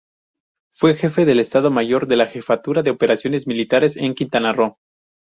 Fue Jefe del Estado Mayor de la Jefatura de Operaciones Militares en Quintana Roo.